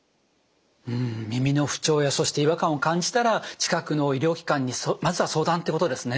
耳の不調やそして違和感を感じたら近くの医療機関にまずは相談ってことですね。